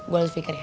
gue harus pikir ya